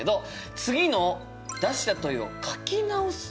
次の「出した問いを書き直す」。